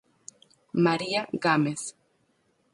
María Gámez.